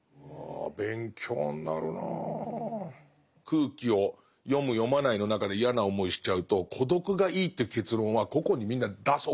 空気を読む読まないの中で嫌な思いしちゃうと孤独がいいって結論は個々にみんな出す。